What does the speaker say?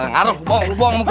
ngaruh buang buang